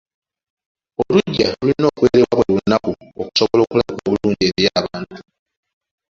Oluggya lulina okwerebwa buli lunaku okusobola okulabika obulungi eri abantu.